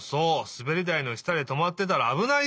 すべりだいのしたでとまってたらあぶないよ！